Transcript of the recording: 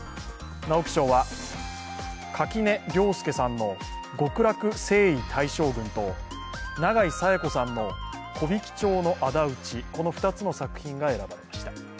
直木賞は垣根涼介さんの「極楽征夷大将軍」と永井紗耶子さんの「木挽町のあだ討ち」、この２つの作品が選ばれました。